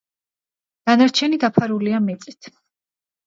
დანარჩენი დაფარულია მიწით.